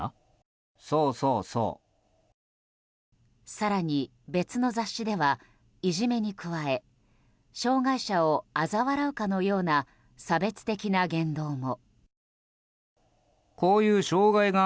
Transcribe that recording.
更に、別の雑誌ではいじめに加え障害者をあざ笑うかのような差別的な言動も。